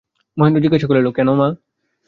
মহেন্দ্র জিজ্ঞাসা করিল, কেন মা।